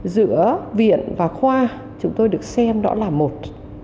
giữa viện và khoa chúng tôi được xem đó là một